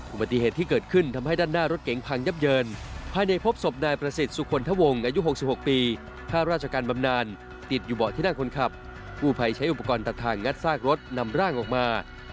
อุบัติเหตุที่เกิดขึ้นทำให้ด้านหน้ารถเก๋งพังยับเยินภายในพบศพนายประสิทธิ์สุขลทะวงอายุ๖๖ปีข้าราชการบำนานติดอยู่เบาะที่นั่งคนขับกู้ภัยใช้อุปกรณ์ตัดทางงัดซากรถนำร่างออกมา